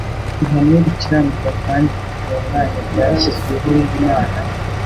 Ihame rikiranuka kandi ritunganye ryashyizweho n'Imana,